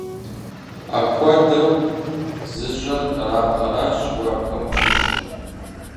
Апхуэдэу зыщӀэр къэрабгъэхэращ, уэ абыхэм уащыщкъым!